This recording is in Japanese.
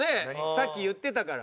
さっき言ってたから。